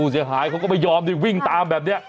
เสียหายเขาก็ไม่ยอมวิ่งตามแบบนี้